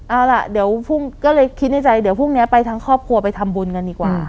เอาล่ะเดี๋ยวพรุ่งก็เลยคิดในใจเดี๋ยวพรุ่งนี้ไปทั้งครอบครัวไปทำบุญกันดีกว่า